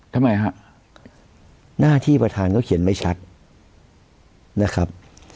ทำไมฮะหน้าที่ประธานก็เขียนไม่ชัดนะครับ